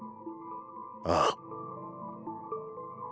ああ。